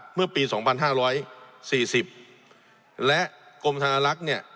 เมื่อปีสองพันห้าร้อยสี่สิบและกรมธนลักษณ์เนี่ย